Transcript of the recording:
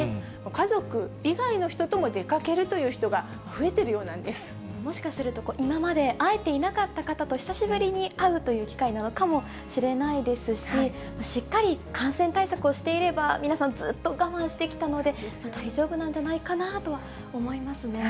家族以外の人とも出かけるというもしかすると、今まで会えていなかった方と久しぶりに会うという機会なのかもしれないですし、しっかり感染対策をしていれば、皆さん、ずっと我慢してきたので、大丈夫なんじゃないかなとは思いますね。